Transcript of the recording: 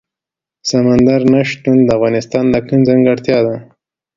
سمندر نه شتون د افغانستان د اقلیم ځانګړتیا ده.